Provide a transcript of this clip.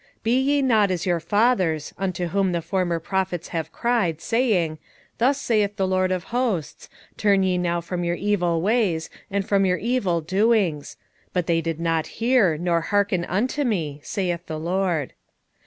1:4 Be ye not as your fathers, unto whom the former prophets have cried, saying, Thus saith the LORD of hosts; Turn ye now from your evil ways, and from your evil doings: but they did not hear, nor hearken unto me, saith the LORD.